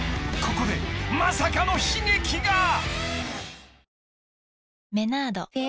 ［ここでまさかの悲劇が］